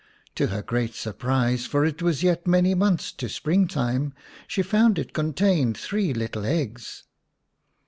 To her great surprise, for it was yet many months to spring time, she found it contained three little eggs.